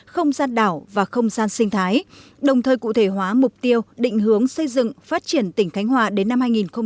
không gian đảo và không gian sinh thái đồng thời cụ thể hóa mục tiêu định hướng xây dựng phát triển tỉnh khánh hòa đến năm hai nghìn ba mươi